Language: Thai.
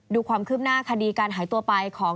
ดูความคืบหน้าคดีการหายตัวไปของ